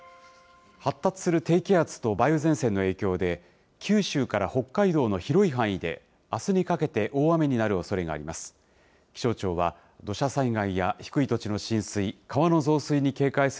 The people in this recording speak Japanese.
発達する低気圧と梅雨前線の影響で、九州から北海道の広い範囲で、あすにかけて大雨になるおそれがあります。